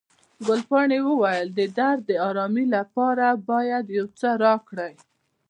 ګلپاڼې وویل، د درد د آرامي لپاره باید یو څه راکړئ.